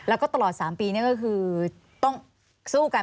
แล้วก็ตลอด๓ปีนี่ก็คือต้องสู้กัน